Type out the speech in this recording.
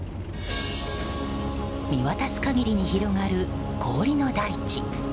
見渡す限りに広がる氷の大地。